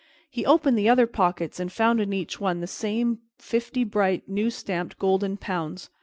He opened the other pockets and found in each one the same, fifty bright new stamped golden pounds.